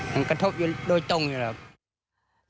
มันกระทบอยู่โดยตรงอยู่แล้วครับ